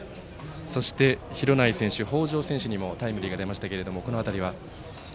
そして廣内選手、北條選手にもタイムリーが出ましたがこの辺りは？